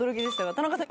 田中さん。